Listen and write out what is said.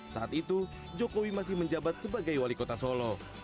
saat itu jokowi masih menjabat sebagai wali kota solo